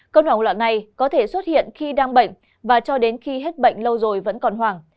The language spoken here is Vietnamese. cơn hoảng loạn này có thể xuất hiện khi đang bệnh và cho đến khi hết bệnh lâu rồi vẫn còn hoảng